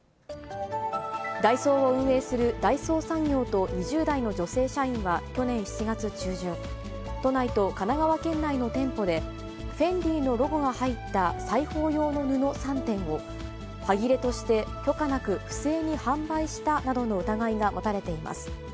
ＤＡＩＳＯを運営する大創産業と２０代の女性社員は去年７月中旬、都内と神奈川県内の店舗で、ＦＥＮＤＩのロゴが入った裁縫用の布３点を、はぎれとして許可なく不正に販売したなどの疑いが持たれています。